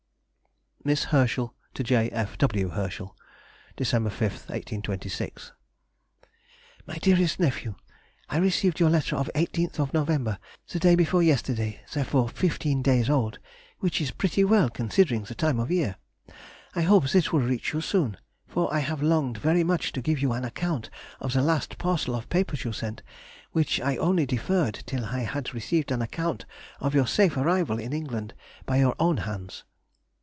[Sidenote: 1826. Accident at Sea.] MISS HERSCHEL TO J. F. W. HERSCHEL. Dec. 5, 1826. MY DEAREST NEPHEW,— I received your letter of the 18th November, the day before yesterday, therefore fifteen days old, which is pretty well considering the time of year. I hope this will reach you soon, for I have longed very much to give you an account of the last parcel of papers you sent, which I only deferred till I had received an account of your safe arrival in England by your own hands.